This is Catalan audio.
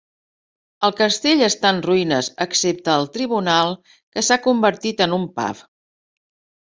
El castell està en ruïnes, excepte el tribunal, que s'ha convertit en un pub.